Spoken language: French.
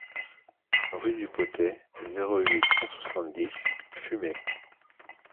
Rue du Potay, zéro huit, cent soixante-dix Fumay